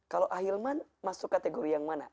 kalau ahilman masuk kategori yang mana